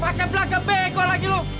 pakai pelaga beko lagi lo